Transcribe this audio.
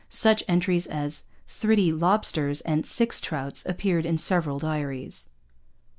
Such entries as 'Thritty Lobbsters' and '6 Troutts' appear in several diaries.